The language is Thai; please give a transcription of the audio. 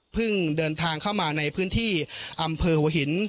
เดินทางเข้ามาในพื้นที่อำเภอหัวหิน